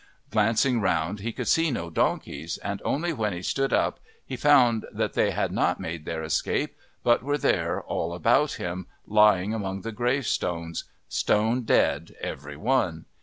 Glancing round he could see no donkeys, and only when he stood up he found they had not made their escape but were there all about him, lying among the gravestones, stone dead every one!